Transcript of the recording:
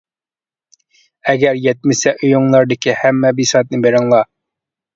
ئەگەر يەتمىسە ئۆيۈڭلاردىكى ھەممە بىساتنى بېرىڭلار!